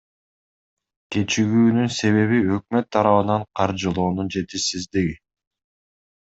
Кечигүүнүн себеби — өкмөт тарабынан каржылоонун жетишсиздиги.